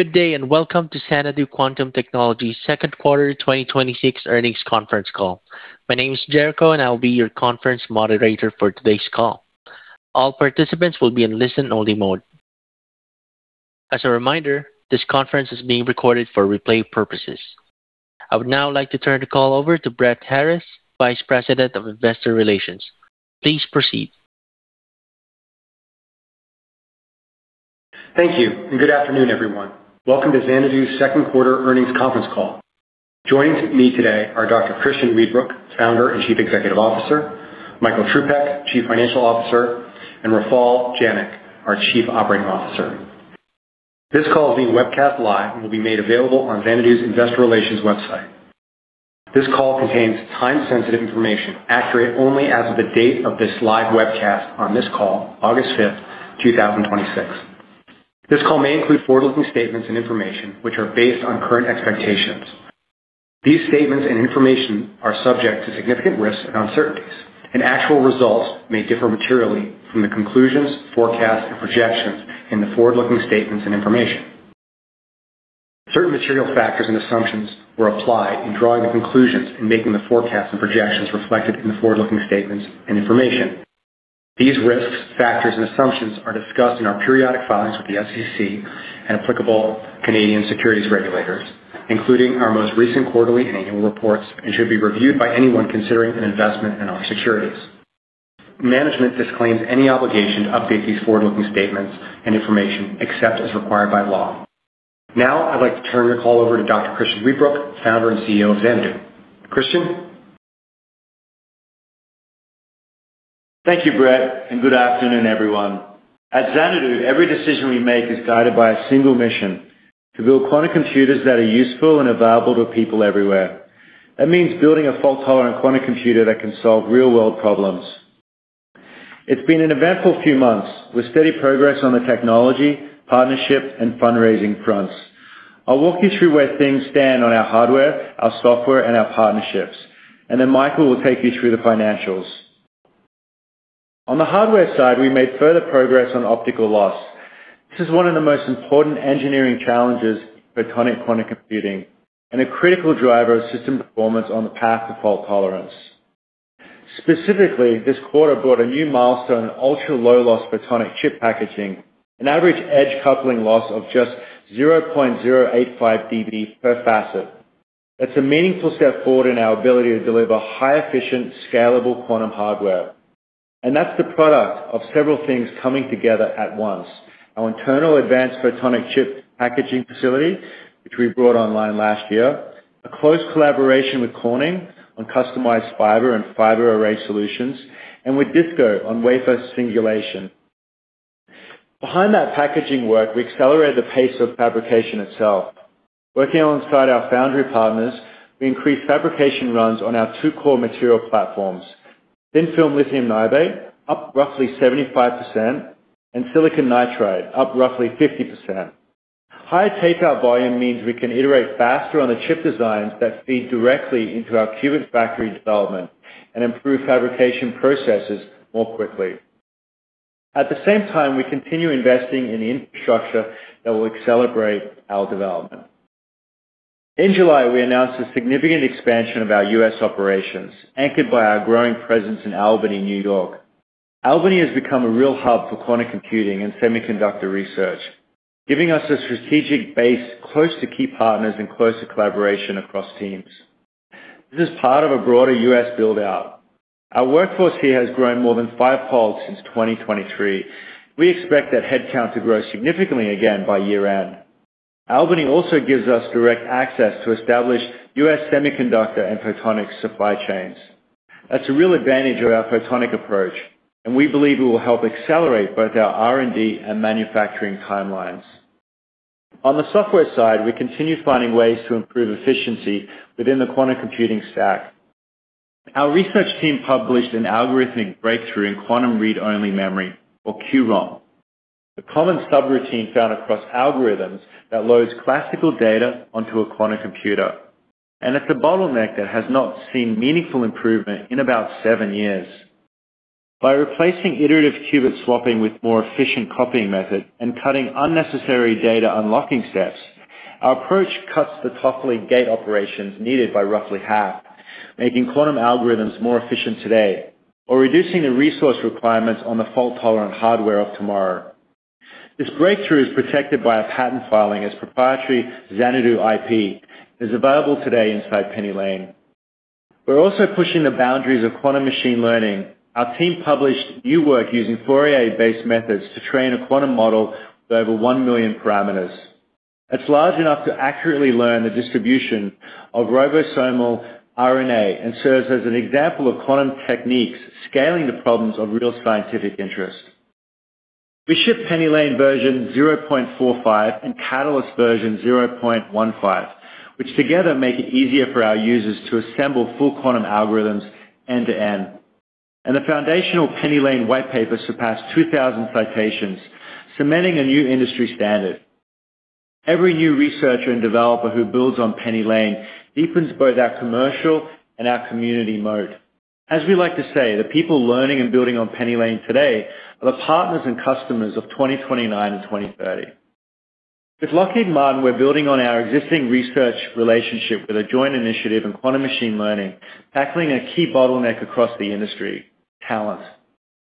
Good day, welcome to Xanadu Quantum Technologies' second quarter 2026 earnings conference call. My name is Jericho, and I will be your conference moderator for today's call. All participants will be in listen-only mode. As a reminder, this conference is being recorded for replay purposes. I would now like to turn the call over to Brett Harriss, Vice President of Investor Relations. Please proceed. Thank you, good afternoon, everyone. Welcome to Xanadu's second quarter earnings conference call. Joining me today are Dr. Christian Weedbrook, Founder and Chief Executive Officer, Michael Trzupek, Chief Financial Officer, and Rafal Janik, our Chief Operating Officer. This call is being webcast live and will be made available on Xanadu's investor relations website. This call contains time-sensitive information accurate only as of the date of this live webcast on this call, August 5th, 2026. This call may include forward-looking statements and information which are based on current expectations. These statements and information are subject to significant risks and uncertainties. Actual results may differ materially from the conclusions, forecasts, and projections in the forward-looking statements and information. Certain material factors and assumptions were applied in drawing the conclusions and making the forecasts and projections reflected in the forward-looking statements and information. These risks, factors, and assumptions are discussed in our periodic filings with the SEC and applicable Canadian securities regulators, including our most recent quarterly and annual reports, and should be reviewed by anyone considering an investment in our securities. Management disclaims any obligation to update these forward-looking statements and information except as required by law. Now I'd like to turn the call over to Dr. Christian Weedbrook, Founder and CEO of Xanadu. Christian? Thank you, Brett, good afternoon, everyone. At Xanadu, every decision we make is guided by a single mission: to build quantum computers that are useful and available to people everywhere. That means building a fault-tolerant quantum computer that can solve real-world problems. It's been an eventful few months, with steady progress on the technology, partnership, and fundraising fronts. I'll walk you through where things stand on our hardware, our software, and our partnerships, and then Michael will take you through the financials. On the hardware side, we made further progress on optical loss. This is one of the most important engineering challenges in photonic quantum computing and a critical driver of system performance on the path to fault tolerance. Specifically, this quarter brought a new milestone in ultra-low-loss photonic chip packaging, an average edge coupling loss of just 0.085 dB per facet. That's a meaningful step forward in our ability to deliver high-efficient, scalable quantum hardware. That's the product of several things coming together at once. Our internal advanced photonic chip packaging facility, which we brought online last year, a close collaboration with Corning on customized fiber and fiber array solutions, and with DISCO on wafer singulation. Behind that packaging work, we accelerated the pace of fabrication itself. Working alongside our foundry partners, we increased fabrication runs on our two core material platforms, thin-film lithium niobate, up roughly 75%, and silicon nitride, up roughly 50%. Higher tapeouts volume means we can iterate faster on the chip designs that feed directly into our qubit factory development and improve fabrication processes more quickly. At the same time, we continue investing in the infrastructure that will accelerate our development. In July, we announced a significant expansion of our U.S. operations, anchored by our growing presence in Albany, N.Y. Albany has become a real hub for quantum computing and semiconductor research, giving us a strategic base close to key partners and closer collaboration across teams. This is part of a broader U.S. build-out. Our workforce here has grown more than fivefold since 2023. We expect that headcount to grow significantly again by year-end. Albany also gives us direct access to established U.S. semiconductor and photonics supply chains. That's a real advantage of our photonic approach, and we believe it will help accelerate both our R&D and manufacturing timelines. On the software side, we continue finding ways to improve efficiency within the quantum computing stack. Our research team published an algorithmic breakthrough in quantum read-only memory, or QROM, the common subroutine found across algorithms that loads classical data onto a quantum computer, and it's a bottleneck that has not seen meaningful improvement in about seven years. By replacing iterative qubit swapping with more efficient copying methods and cutting unnecessary data unlocking steps, our approach cuts the Toffoli gate operations needed by roughly half, making quantum algorithms more efficient today or reducing the resource requirements on the fault-tolerant hardware of tomorrow. This breakthrough is protected by a patent filing as proprietary Xanadu IP. It's available today inside PennyLane. We're also pushing the boundaries of quantum machine learning. Our team published new work using Fourier-based methods to train a quantum model with over one million parameters. It's large enough to accurately learn the distribution of ribosomal RNA and serves as an example of quantum techniques scaling the problems of real scientific interest. We ship PennyLane version 0.45 and Catalyst version 0.15, which together make it easier for our users to assemble full quantum algorithms end to end. The foundational PennyLane white paper surpassed 2,000 citations, cementing a new industry standard. Every new researcher and developer who builds on PennyLane deepens both our commercial and our community mode. As we like to say, the people learning and building on PennyLane today are the partners and customers of 2029 and 2030. With Lockheed Martin, we're building on our existing research relationship with a joint initiative in quantum machine learning, tackling a key bottleneck across the industry, talent.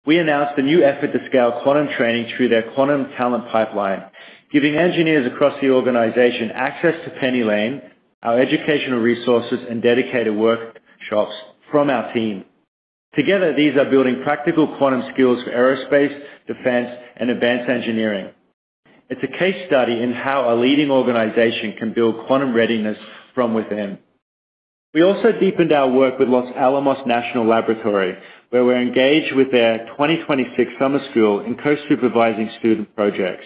We announced a new effort to scale quantum training through their quantum talent pipeline, giving engineers across the organization access to PennyLane, our educational resources, and dedicated workshops from our team. Together, these are building practical quantum skills for aerospace, defense, and advanced engineering. It's a case study in how a leading organization can build quantum readiness from within. We also deepened our work with Los Alamos National Laboratory, where we're engaged with their 2026 summer school in co-supervising student projects.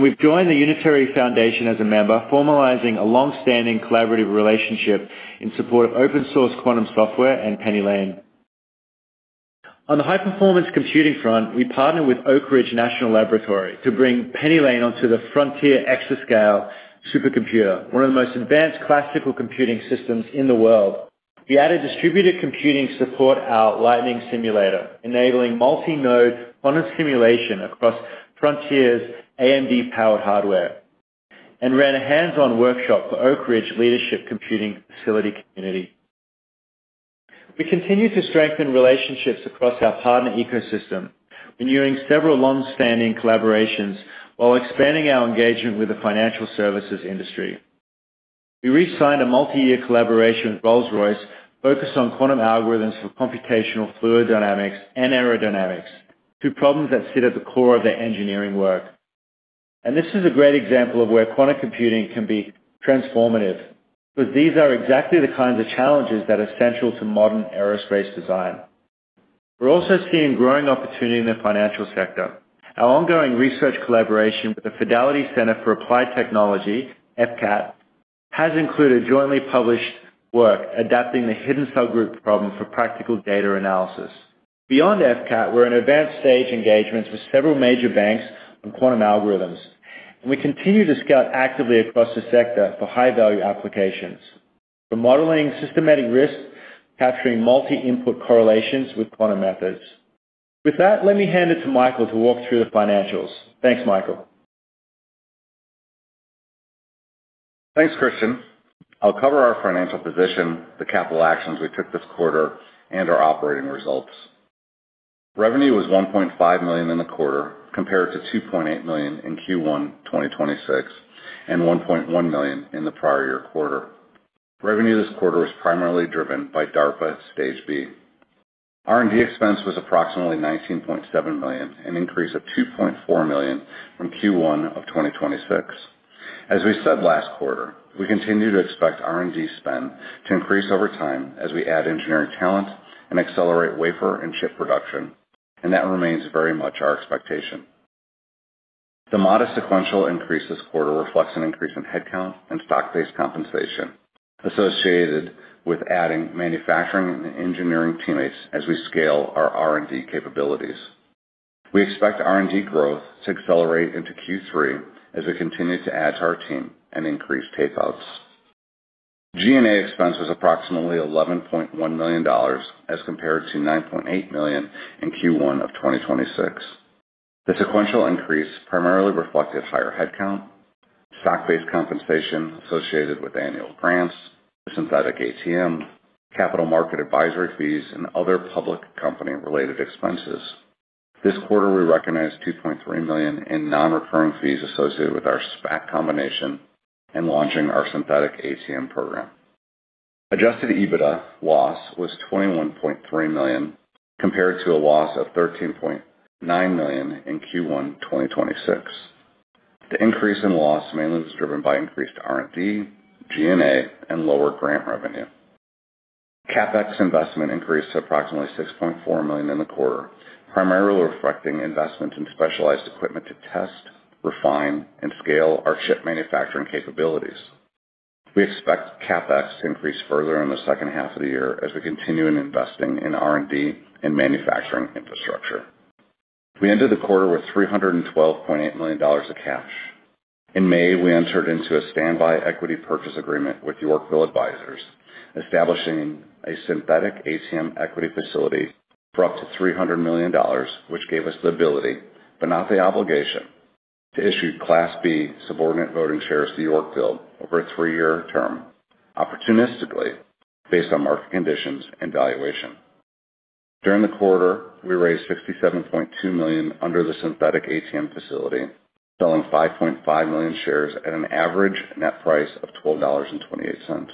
We've joined the Unitary Fund as a member, formalizing a longstanding collaborative relationship in support of open source quantum software and PennyLane. On the high-performance computing front, we partnered with Oak Ridge National Laboratory to bring PennyLane onto the Frontier exascale supercomputer, one of the most advanced classical computing systems in the world. We added distributed computing support, our Lightning simulator, enabling multi-node quantum simulation across Frontier's AMD-powered hardware, and ran a hands-on workshop for Oak Ridge Leadership Computing Facility community. We continue to strengthen relationships across our partner ecosystem, renewing several longstanding collaborations while expanding our engagement with the financial services industry. We re-signed a multi-year collaboration with Rolls-Royce focused on quantum algorithms for computational fluid dynamics and aerodynamics to problems that sit at the core of their engineering work. This is a great example of where quantum computing can be transformative, because these are exactly the kinds of challenges that are central to modern aerospace design. We're also seeing growing opportunity in the financial sector. Our ongoing research collaboration with the Fidelity Center for Applied Technology, FCAT, has included jointly published work adapting the hidden subgroup problem for practical data analysis. Beyond FCAT, we're in advanced stage engagements with several major banks on quantum algorithms, and we continue to scout actively across the sector for high-value applications for modeling systematic risk, capturing multi-input correlations with quantum methods. With that, let me hand it to Michael to walk through the financials. Thanks, Michael. Thanks, Christian. I'll cover our financial position, the capital actions we took this quarter, and our operating results. Revenue was $1.5 million in the quarter compared to $2.8 million in Q1 2026 and $1.1 million in the prior year quarter. Revenue this quarter was primarily driven by DARPA at Stage B. R&D expense was approximately $19.7 million, an increase of $2.4 million from Q1 of 2026. As we said last quarter, we continue to expect R&D spend to increase over time as we add engineering talent and accelerate wafer and chip production, that remains very much our expectation. The modest sequential increase this quarter reflects an increase in headcount and stock-based compensation associated with adding manufacturing and engineering teammates as we scale our R&D capabilities. We expect R&D growth to accelerate into Q3 as we continue to add to our team and increase tapeouts. G&A expense was approximately 11.1 million dollars as compared to 9.8 million in Q1 of 2026. The sequential increase primarily reflected higher headcount, stock-based compensation associated with annual grants, synthetic ATM, capital market advisory fees, and other public company-related expenses. This quarter, we recognized 2.3 million in non-recurring fees associated with our SPAC combination and launching our synthetic ATM program. Adjusted EBITDA loss was 21.3 million compared to a loss of 13.9 million in Q1 2026. The increase in loss mainly was driven by increased R&D, G&A, and lower grant revenue. CapEx investment increased to approximately 6.4 million in the quarter, primarily reflecting investment in specialized equipment to test, refine, and scale our chip manufacturing capabilities. We expect CapEx to increase further in the second half of the year as we continue investing in R&D and manufacturing infrastructure. We ended the quarter with 312.8 million dollars of cash. In May, we entered into a standby equity purchase agreement with Yorkville Advisors, establishing a synthetic ATM equity facility for up to 300 million dollars, which gave us the ability, but not the obligation, to issue Class B Subordinate Voting Shares to Yorkville over a three-year term opportunistically based on market conditions and valuation. During the quarter, we raised 67.2 million under the synthetic ATM facility, selling 5.5 million shares at an average net price of 12.28 dollars.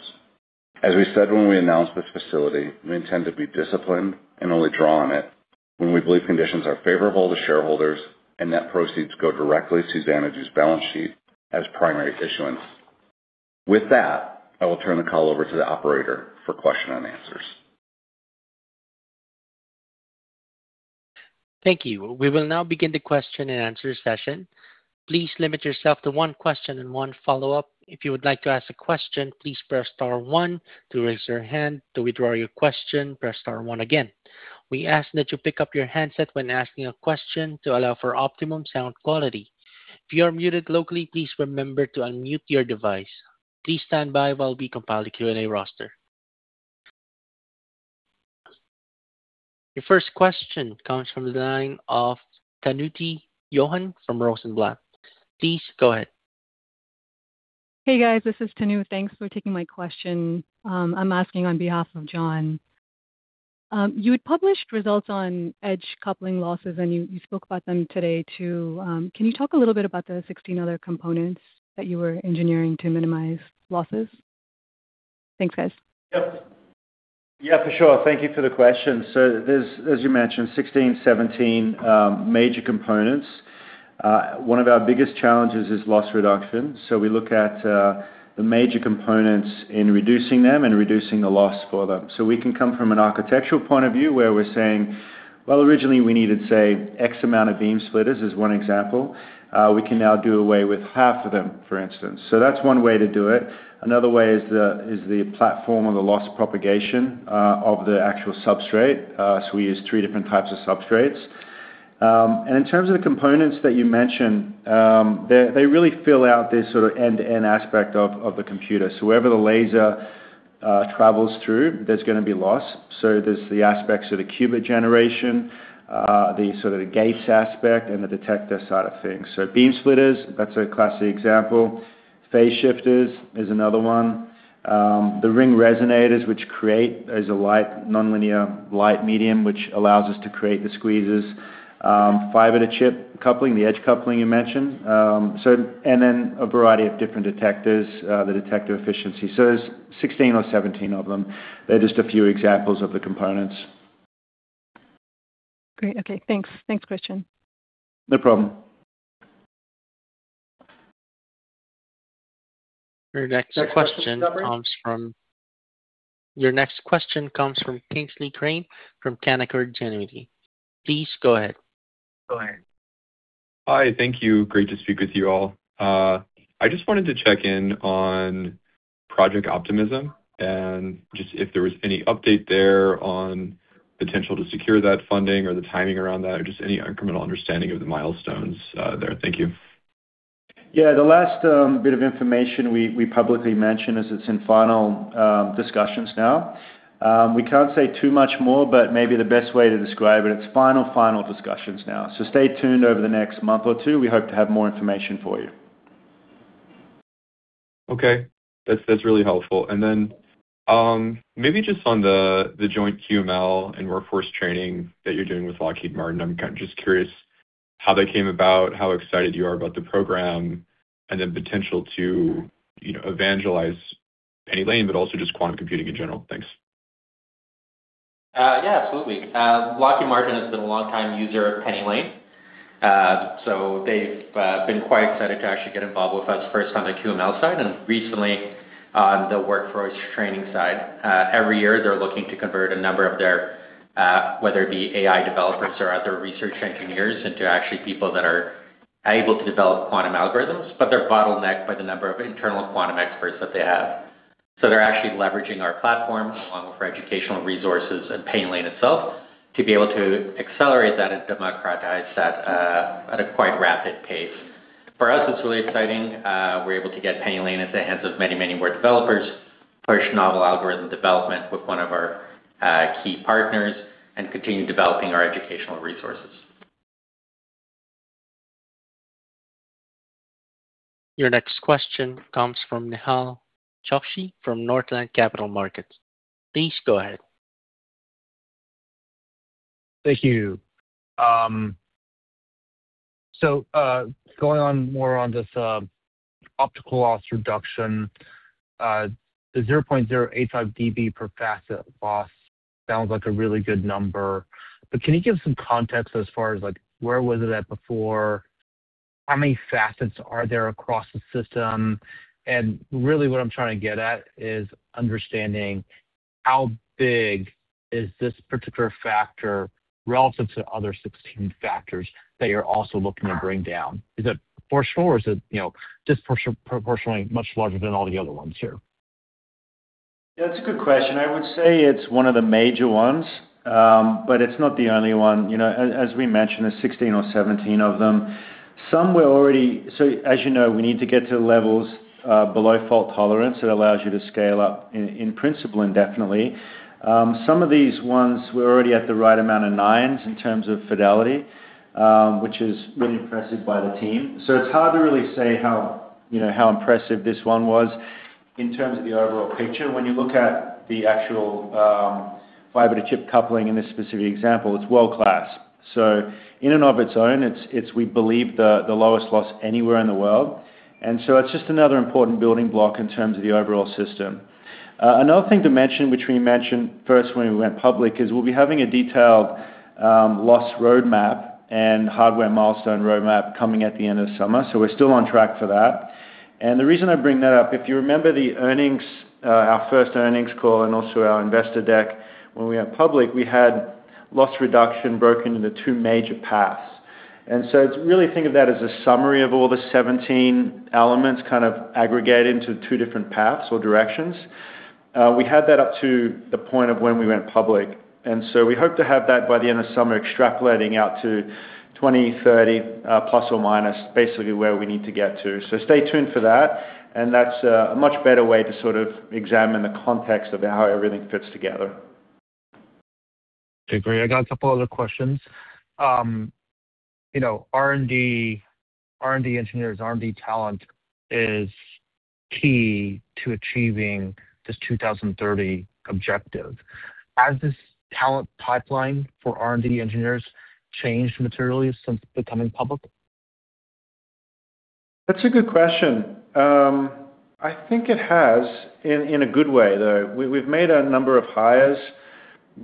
As we said when we announced this facility, we intend to be disciplined and only draw on it when we believe conditions are favorable to shareholders and net proceeds go directly to Xanadu's balance sheet as primary issuance. With that, I will turn the call over to the operator for question and answers. Thank you. We will now begin the question and answer session. Please limit yourself to one question and one follow-up. If you would like to ask a question, please press star 1 to raise your hand. To withdraw your question, press star 1 again. We ask that you pick up your handset when asking a question to allow for optimum sound quality. If you are muted locally, please remember to unmute your device. Please stand by while we compile the Q&A roster. Your first question comes from the line of Tanu John from Rosenblatt. Please go ahead. Hey, guys. This is Tanu. Thanks for taking my question. I'm asking on behalf of John. You had published results on edge coupling losses, and you spoke about them today, too. Can you talk a little bit about the 16 other components that you were engineering to minimize losses? Thanks, guys. Yep. Yeah, for sure. Thank you for the question. There's, as you mentioned, 16, 17 major components. One of our biggest challenges is loss reduction. We look at the major components in reducing them and reducing the loss for them. We can come from an architectural point of view, where we're saying, well, originally we needed, say, X amount of beam splitters, as one example. We can now do away with half of them, for instance. That's one way to do it. Another way is the platform or the loss propagation of the actual substrate. We use three different types of substrates. In terms of the components that you mentioned, they really fill out this sort of end-to-end aspect of the computer. Wherever the laser travels through, there's going to be loss. There's the aspects of the qubit generation, the sort of the gates aspect, and the detector side of things. Beam splitters, that's a classic example. Phase shifters is another one. The ring resonators, which create as a light nonlinear, light medium, which allows us to create the squeezers. Fiber to chip coupling, the edge coupling you mentioned. Then a variety of different detectors, the detector efficiency. There's 16 or 17 of them. They're just a few examples of the components. Great. Okay. Thanks. Thanks, Christian. No problem. Your next question comes from Kingsley Crane from Canaccord Genuity. Please go ahead. Go ahead. Hi. Thank you. Great to speak with you all. I just wanted to check in on Project OPTIMISM and just if there was any update there on potential to secure that funding or the timing around that, or just any incremental understanding of the milestones there. Thank you. Yeah. The last bit of information we publicly mentioned is it's in final discussions now. We can't say too much more, but maybe the best way to describe it's final discussions now. Stay tuned over the next month or two. We hope to have more information for you. Okay. That's really helpful. Maybe just on the joint QML and workforce training that you're doing with Lockheed Martin, I'm kind of just curious how that came about, how excited you are about the program, and the potential to evangelize PennyLane, but also just quantum computing in general. Thanks. Yeah, absolutely. Lockheed Martin has been a long-time user of PennyLane. They've been quite excited to actually get involved with us, first on the QML side and recently on the workforce training side. Every year, they're looking to convert a number of their, whether it be AI developers or other research engineers, into actually people that are able to develop quantum algorithms. They're bottlenecked by the number of internal quantum experts that they have. They're actually leveraging our platform along with our educational resources and PennyLane itself to be able to accelerate that and democratize that at a quite rapid pace. For us, it's really exciting. We're able to get PennyLane into the hands of many, many more developers, push novel algorithm development with one of our key partners, and continue developing our educational resources. Your next question comes from Nehal Chokshi from Northland Capital Markets. Please go ahead. Thank you. Going on more on this optical loss reduction, the 0.085 dB per facet loss sounds like a really good number. Can you give some context as far as, where was it at before? How many facets are there across the system? Really what I'm trying to get at is understanding how big is this particular factor relative to other 16 factors that you're also looking to bring down? Is it proportional, or is it just proportionally much larger than all the other ones here? That's a good question. I would say it's one of the major ones, but it's not the only one. As we mentioned, there's 16 or 17 of them. As you know, we need to get to levels below fault tolerance that allows you to scale up, in principle, indefinitely. Some of these ones were already at the right amount of nines in terms of fidelity, which is really impressive by the team. It's hard to really say how impressive this one was in terms of the overall picture. When you look at the actual fiber to chip coupling in this specific example, it's world-class. In and of its own, it's, we believe, the lowest loss anywhere in the world. It's just another important building block in terms of the overall system. Another thing to mention, which we mentioned first when we went public, is we'll be having a detailed loss roadmap and hardware milestone roadmap coming at the end of summer. We're still on track for that. The reason I bring that up, if you remember our first earnings call and also our investor deck when we went public, we had loss reduction broken into two major paths. Really think of that as a summary of all the 17 elements kind of aggregated into two different paths or directions. We had that up to the point of when we went public, we hope to have that by the end of summer, extrapolating out to 2030, plus or minus, basically where we need to get to. Stay tuned for that, and that's a much better way to examine the context of how everything fits together. Okay, great. I got a couple other questions. R&D engineers, R&D talent is key to achieving this 2030 objective. Has this talent pipeline for R&D engineers changed materially since becoming public? That's a good question. I think it has, in a good way, though. We've made a number of hires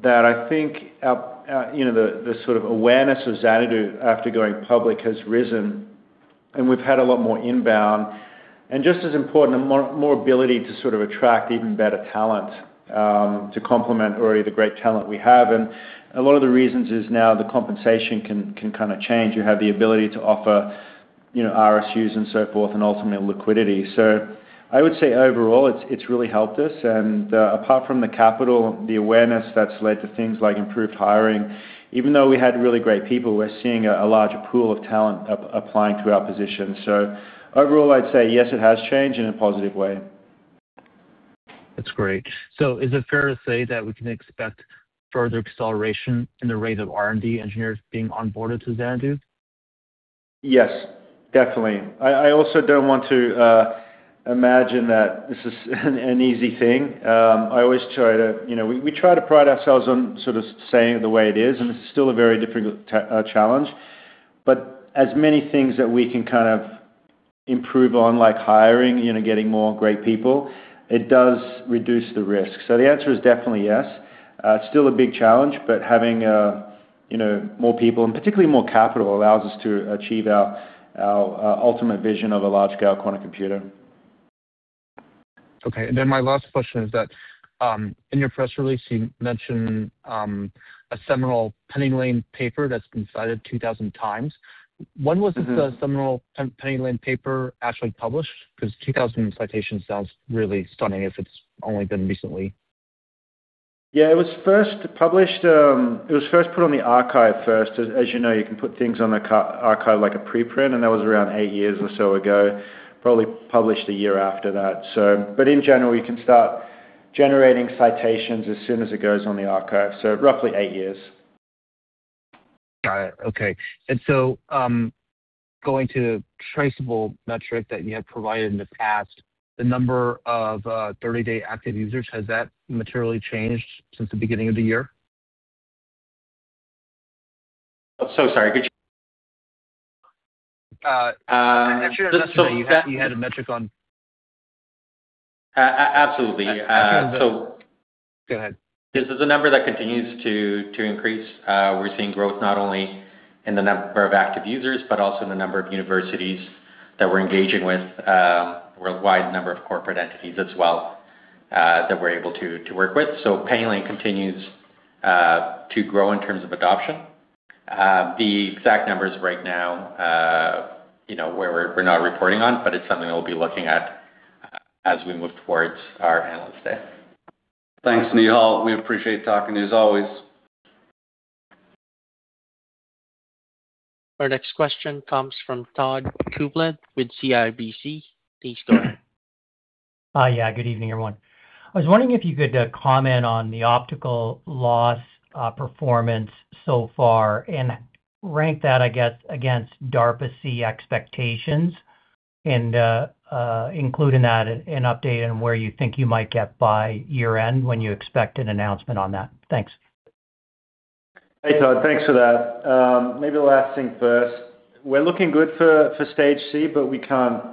that I think, the sort of awareness of Xanadu after going public has risen and we've had a lot more inbound. Just as important, more ability to attract even better talent to complement already the great talent we have. A lot of the reasons is now the compensation can change. You have the ability to offer RSUs and so forth, and ultimately liquidity. I would say overall, it's really helped us. Apart from the capital, the awareness that's led to things like improved hiring, even though we had really great people, we're seeing a larger pool of talent applying to our positions. Overall, I'd say yes, it has changed in a positive way. That's great. Is it fair to say that we can expect further acceleration in the rate of R&D engineers being onboarded to Xanadu? Yes, definitely. I also don't want to imagine that this is an easy thing. We try to pride ourselves on saying it the way it is, this is still a very difficult challenge. As many things that we can improve on, like hiring, getting more great people, it does reduce the risk. The answer is definitely yes. It's still a big challenge, but having more people and particularly more capital allows us to achieve our ultimate vision of a large-scale quantum computer. Okay. My last question is that, in your press release, you mentioned a seminal PennyLane paper that's been cited 2,000 times. When was- the seminal PennyLane paper actually published? 2,000 citations sounds really stunning if it's only been recently. Yeah, it was first put on the archive first. As you know, you can put things on the archive like a preprint, and that was around eight years or so ago. Probably published a year after that. In general, you can start generating citations as soon as it goes on the archive, so roughly eight years. Got it. Okay. Going to traceable metric that you had provided in the past, the number of 30-day active users, has that materially changed since the beginning of the year? Sorry, could you- I'm sure last time you had a metric on- Absolutely. Go ahead. This is a number that continues to increase. We're seeing growth not only in the number of active users, but also in the number of universities that we're engaging with, worldwide number of corporate entities as well, that we're able to work with. PennyLane continues to grow in terms of adoption. The exact numbers right now, we're not reporting on, but it's something that we'll be looking at as we move towards our analyst day. Thanks, Nehal. We appreciate talking to you as always. Our next question comes from Todd Coupland with CIBC. Please go ahead. Hi. Good evening, everyone. I was wondering if you could comment on the optical loss performance so far and rank that, I guess, against DARPA's Stage C expectations, and include in that an update on where you think you might get by year-end, when you expect an announcement on that. Thanks. Hey, Todd. Thanks for that. Maybe the last thing first. We're looking good for Stage C, we can't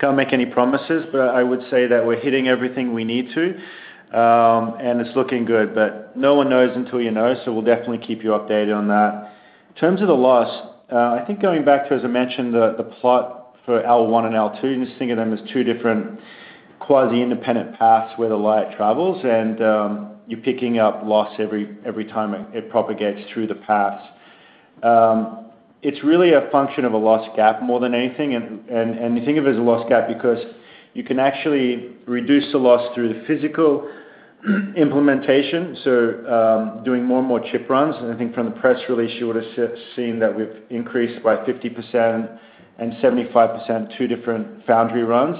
make any promises. I would say that we're hitting everything we need to. It's looking good, but no one knows until you know, so we'll definitely keep you updated on that. In terms of the loss, I think going back to, as I mentioned, the plot for L1 and L2, just think of them as two different quasi-independent paths where the light travels and, you're picking up loss every time it propagates through the paths. It's really a function of a loss gap more than anything. You think of it as a loss gap because you can actually reduce the loss through the physical implementation, so doing more and more chip runs. I think from the press release, you would've seen that we've increased by 50% and 75% two different foundry runs.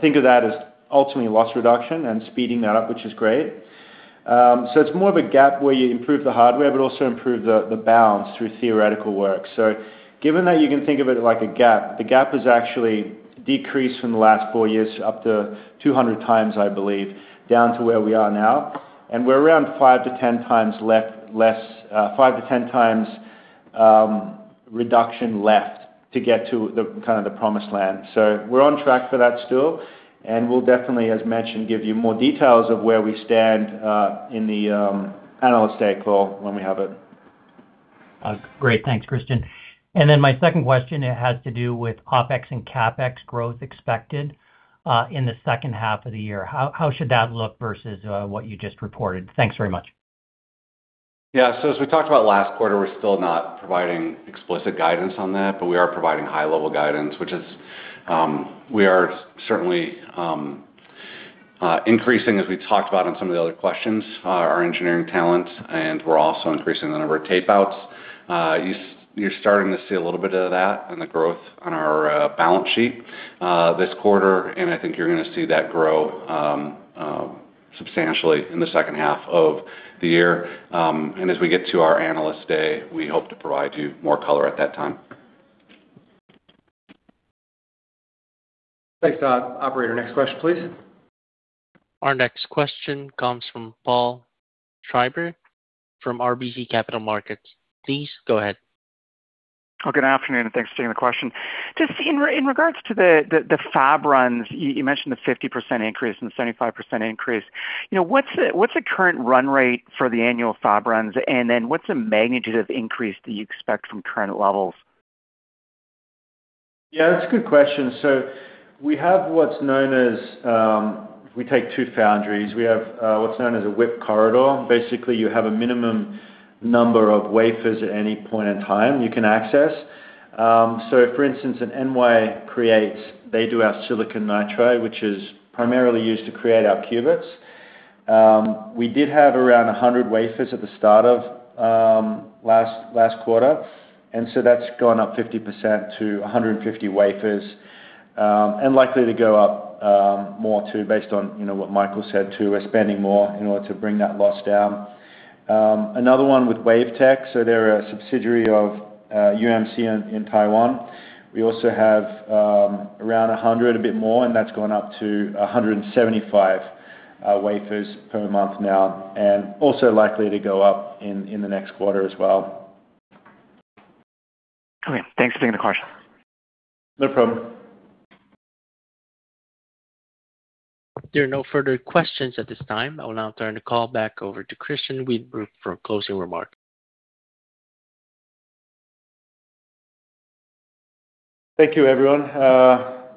Think of that as ultimately loss reduction and speeding that up, which is great. It's more of a gap where you improve the hardware, but also improve the balance through theoretical work. Given that you can think of it like a gap, the gap has actually decreased from the last four years up to 200 times, I believe, down to where we are now. We're around 5 to 10 times reduction left to get to the promised land. We're on track for that still, and we'll definitely, as mentioned, give you more details of where we stand in the analyst day call when we have it. Great. Thanks, Christian. My second question, it has to do with OpEx and CapEx growth expected in the second half of the year. How should that look versus what you just reported? Thanks very much. As we talked about last quarter, we're still not providing explicit guidance on that, but we are providing high-level guidance, which is we are certainly increasing, as we talked about on some of the other questions, our engineering talent, and we're also increasing the number of tapeouts. You're starting to see a little bit of that in the growth on our balance sheet this quarter, and I think you're going to see that grow substantially in the second half of the year. As we get to our Analyst Day, we hope to provide you more color at that time. Thanks. Operator, next question, please. Our next question comes from Paul Treiber from RBC Capital Markets. Please go ahead. Good afternoon, and thanks for taking the question. Just in regards to the fab runs, you mentioned the 50% increase and the 75% increase. What's the current run rate for the annual fab runs? Then what's the magnitude of increase do you expect from current levels? Yeah, that's a good question. We have what's known as a WIP corridor. We take two foundries. Basically, you have a minimum number of wafers at any point in time you can access. For instance, at NY CREATES, they do our silicon nitride, which is primarily used to create our qubits. We did have around 100 wafers at the start of last quarter, and so that's gone up 50% to 150 wafers, and likely to go up more too, based on what Michael said too. We're spending more in order to bring that loss down. Another one with WaferTech, so they're a subsidiary of UMC in Taiwan. We also have around 100, a bit more, and that's gone up to 175 wafers per month now, and also likely to go up in the next quarter as well. Okay. Thanks for taking the question. No problem. There are no further questions at this time. I will now turn the call back over to Christian Weedbrook for closing remarks. Thank you, everyone.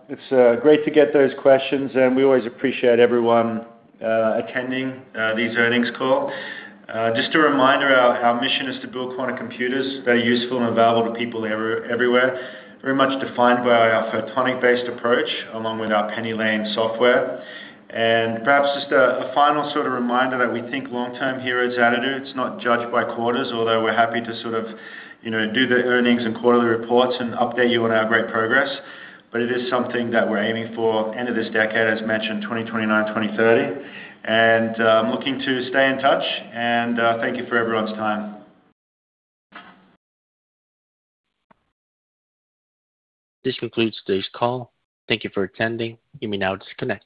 It's great to get those questions, and we always appreciate everyone attending these earnings call. Just a reminder, our mission is to build quantum computers that are useful and available to people everywhere. Very much defined by our photonic-based approach, along with our PennyLane software. Perhaps just a final reminder that we think long-term here at Xanadu. It's not judged by quarters, although we're happy to do the earnings and quarterly reports and update you on our great progress. It is something that we're aiming for end of this decade, as mentioned, 2029, 2030. I'm looking to stay in touch, and thank you for everyone's time. This concludes today's call. Thank you for attending. You may now disconnect.